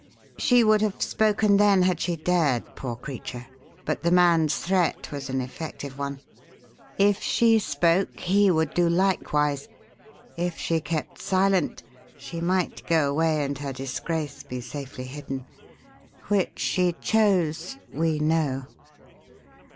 She would have spoken then had she dared, poor creature, but the man's threat was an effective one. If she spoke he would do likewise. If she kept silent she might go away and her disgrace be safely hidden. Which she chose, we know."